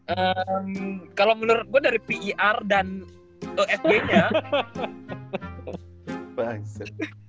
ehm kalo menurut gua dari pir dan esg nya